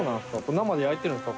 生で焼いてるんですか？